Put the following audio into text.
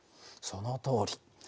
そのとおり。